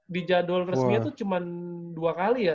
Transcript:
di jadwal resminya tuh cuman dua kali ya